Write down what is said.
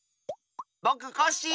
ぼくコッシー！